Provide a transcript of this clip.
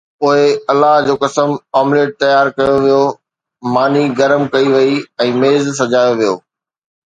پوءِ الله جو قسم، آمليٽ تيار ڪيو ويو، ماني گرم ڪئي وئي ۽ ميز سجايو ويو